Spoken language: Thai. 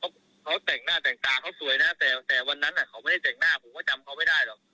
เขาแต่งหน้าแต่งตาเขาสวยนะแต่วันนั้นเขาไม่ได้แต่งหน้าผมก็จำเขาไม่ได้หรอก